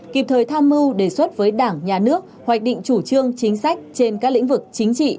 kịp thời tham mưu đề xuất với đảng nhà nước hoạch định chủ trương chính sách trên các lĩnh vực chính trị